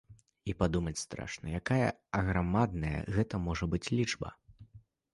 І падумаць страшна, якая аграмадная гэта можа быць лічба!